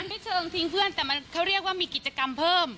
ไม่เชิงทิ้งเพื่อนแต่มันเขาเรียกว่ามีกิจกรรมเพิ่ม